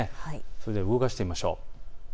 それでは動かしてみましょう。